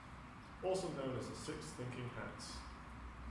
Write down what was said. Also known as the Six Thinking Hats.